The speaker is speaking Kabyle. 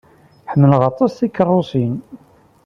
Ḥemmleɣ aṭas tikeṛṛusin.